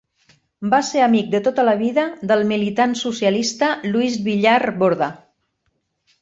Va ser amic de tota la vida del militant socialista Luis Villar Borda.